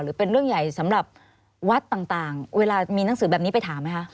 เป็นเรื่องใหญ่สำหรับวัดต่างเวลามีหนังสือแบบนี้ไปถามไหมคะ